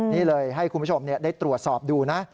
นี่เลยให้คุณผู้ชมได้ตรวจสอบดูนะ